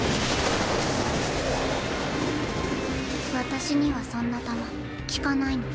私にはそんな弾効かないの。